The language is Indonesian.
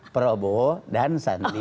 pro prabowo dan sandi